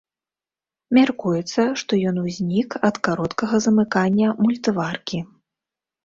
Мяркуецца, што ён узнік ад кароткага замыкання мультываркі.